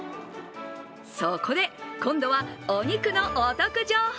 そこで、今度はお肉のお得情報。